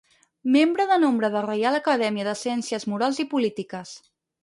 Membre de nombre de Reial Acadèmia de Ciències Morals i Polítiques.